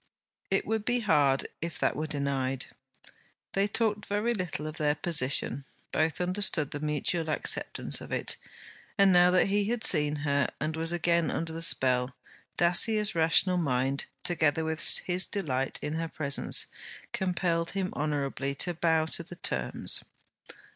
It would be hard if that were denied! They talked very little of their position; both understood the mutual acceptance of it; and now that he had seen her and was again under the spell, Dacier's rational mind, together with his delight in her presence, compelled him honourably to bow to the terms.